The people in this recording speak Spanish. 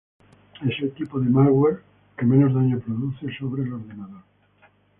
Es el tipo de malware que menos daño produce sobre el ordenador.